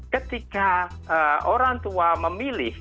ketika orang tua memilih